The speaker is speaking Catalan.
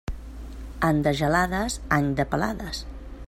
Any de gelades, any de pelades.